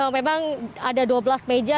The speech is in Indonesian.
memang ada dua belas meja